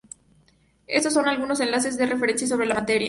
Estos son algunos enlaces de referencia sobre la materia.